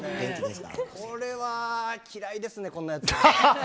これは嫌いですね、こんなやつ。